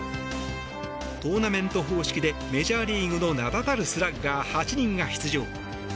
トーナメント方式でメジャーリーグの名だたるスラッガー８人が出場。